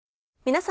皆様。